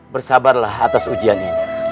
bersabarlah atas ujian ini